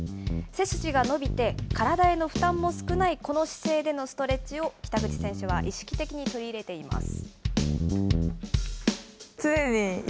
背筋が伸びて、体への負担も少ないこの姿勢でのストレッチを北口選手は意識的に取り入れています。